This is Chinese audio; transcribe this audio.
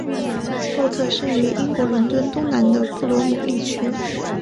洛特生于英国伦敦东南的布罗姆利区。